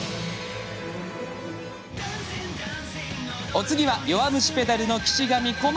お次は「弱虫ペダル」の岸神小鞠。